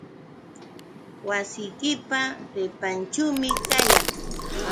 Wasiykipa qipanćhuumi kayan.